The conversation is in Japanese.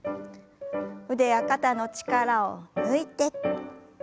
腕や肩の力を抜いて。